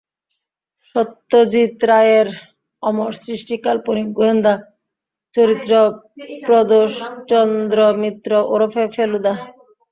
সত্যজিৎ রায়ের অমর সৃষ্টি কাল্পনিক গোয়েন্দা চরিত্র প্রদোষ চন্দ্র মিত্র ওরফে ফেলুদা।